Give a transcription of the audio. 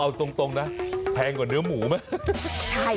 เอาตรงนะแพงกว่าเนื้อหมูไหม